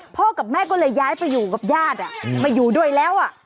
กับแม่ก็เลยย้ายไปอยู่กับญาติมาอยู่ด้วยแล้ว